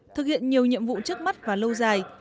thực hiện nhiều nhiệm vụ trước mắt và lâu dài